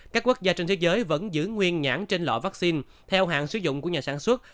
các quốc gia trên thế giới vẫn giữ nguyên nhãn trên loại vaccine theo hạn sử dụng của nhà sản xuất